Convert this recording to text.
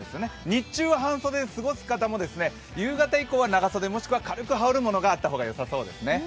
日中は半袖で過ごす方も夕方以降は長袖もしくは軽く羽織るものがあった方がいいですね。